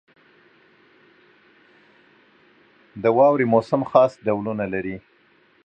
• د واورې موسم خاص ډولونه لري.